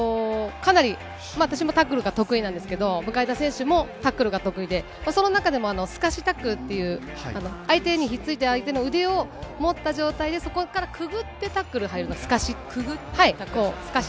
かなり、私もタックルが得意なんですけど、向田選手もタックルが得意で、その中でもすかしタックルという、相手にひっついて、相手の腕を持った状態で、そこからくぐってタックルに入るっていうのをすかし。